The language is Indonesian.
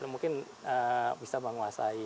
mungkin bisa menguasai